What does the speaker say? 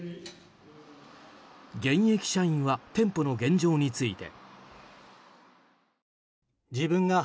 現役社員は店舗の現状について。